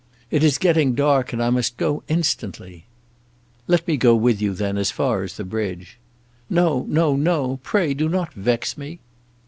"It is getting dark, and I must go instantly." "Let me go with you, then, as far as the bridge." "No, no, no. Pray do not vex me."